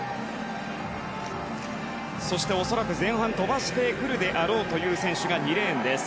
そして、恐らく前半飛ばしてくるであろう選手が２レーンです。